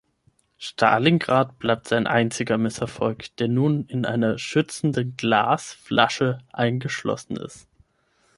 Stalingrad bleibt sein einziger Misserfolg, der nun in einer schützenden Glas-“Flasche“ eingeschlossen ist.